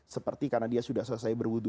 seperti karena dia sudah selesai berwudhu